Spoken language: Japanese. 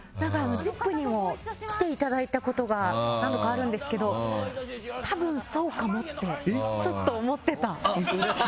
「ＺＩＰ！」にも来ていただいたことが何度かあるんですけど多分、そうかもって思ってた。